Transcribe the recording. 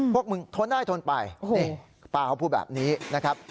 พวกมึงทนได้ทนไปนี่ป้าเขาพูดแบบนี้นะครับ